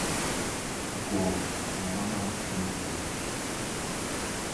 不過我啱啱想問你